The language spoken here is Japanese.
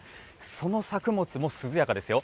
その作物も、涼やかですよ。